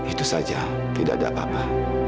itu saja tidak ada apa apa